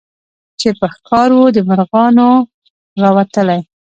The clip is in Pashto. چي په ښکار وو د مرغانو راوتلی